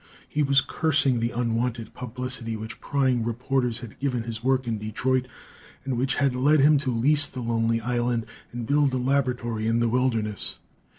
He was cursing the unwanted publicity which prying reporters had given his work in Detroit, and which had led him to lease the lonely island and build a laboratory in the wilderness.